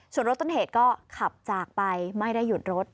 ส่วนรถต้นเหตุก็ขับจากไปไม่ได้หยุดรถ